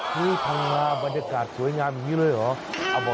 ที่พังงาบรรยากาศสวยงามอย่างนี้เลยเหรอ